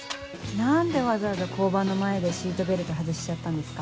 何でわざわざ交番の前でシートベルト外しちゃったんですか？